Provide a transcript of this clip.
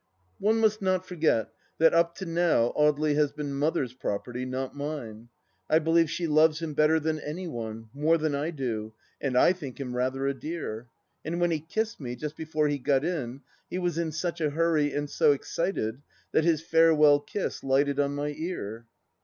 ... One must not forget that up to now Audely has been Mother's property, not mine. I believe she loves him better than any one — ^more than I do, and I think him rather a dear ! And when he kissed me, just before he got in, he was in such a hurry, and so excited, that his farewell kiss lighted on my ear